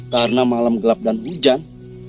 karena malam gelap dan hujan